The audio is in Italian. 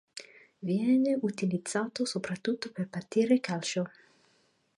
Viene utilizzato soprattutto per partite calcio.